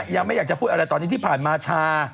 ยังไม่อยากจะพูดอะไรตอนนี้ที่ผ่านมาชา